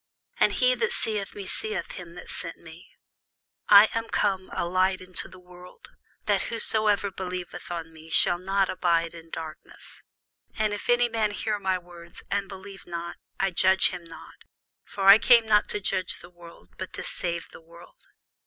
And he that seeth me seeth him that sent me. I am come a light into the world, that whosoever believeth on me should not abide in darkness. And if any man hear my words, and believe not, I judge him not: for I came not to judge the world, but to save the world.